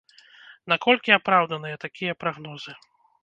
Наколькі апраўданыя такія прагнозы?